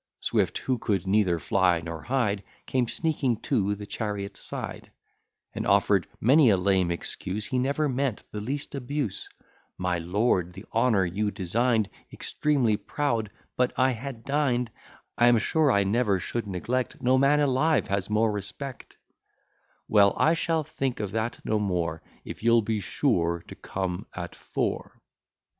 Swift, who could neither fly nor hide, Came sneaking to the chariot side, And offer'd many a lame excuse: He never meant the least abuse "My lord the honour you design'd Extremely proud but I had dined I am sure I never should neglect No man alive has more respect" Well, I shall think of that no more, If you'll be sure to come at four."